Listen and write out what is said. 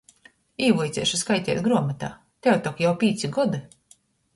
Īvuiceišu skaiteit gruomotā, tev tok jau pīci godi!